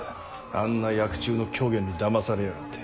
あんなヤク中の狂言にだまされやがって。